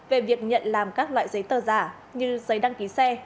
về việc nhận làm các loại giấy tờ giả như giấy đăng ký xe